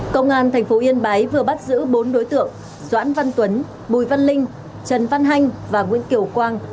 công an tp yên bái vừa bắt giữ bốn đối tượng doãn văn tuấn bùi văn linh trần văn hanh và nguyễn kiều quang